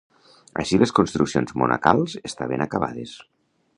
Així les construccions monacals estaven acabades.